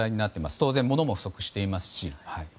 当然物も不足していますし。